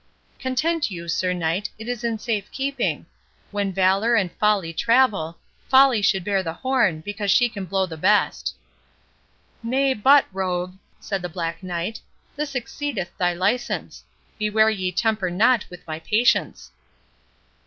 "Content you, Sir Knight, it is in safe keeping. When Valour and Folly travel, Folly should bear the horn, because she can blow the best." "Nay but, rogue," said the Black Knight, "this exceedeth thy license—Beware ye tamper not with my patience."